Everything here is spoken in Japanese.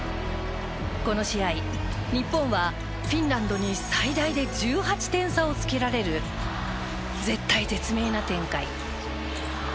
この試合日本はフィンランドに最大で１８点差をつけられる絶体絶命な展開。